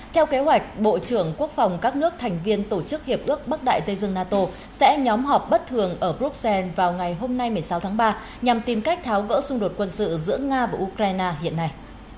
theo kế hoạch bộ trưởng quốc phòng các nước thành viên tổ chức hiệp ước bắc đại tây dương nato sẽ nhóm họp bất thường ở bruxelles vào ngày hôm nay một mươi sáu tháng ba nhằm tìm cách tháo gỡ xung đột quân sự giữa nga và ukraine hiện nay